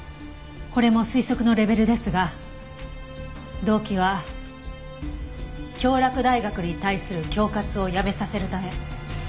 これも推測のレベルですが動機は京洛大学に対する恐喝をやめさせるため。